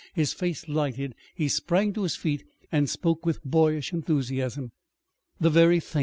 His face lighted. He sprang to his feet and spoke with boyish enthusiasm. "The very thing!